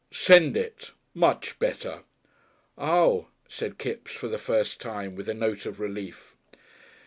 Send it. Much better." "Ah!" said Kipps, for the first time, with a note of relief.